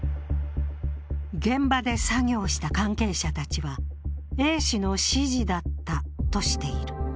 現場で作業をした関係者たちは、Ａ氏の指示だったとしている。